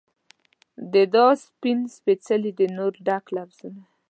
د دعا سپین سپیڅلي د نوره ډک لفظونه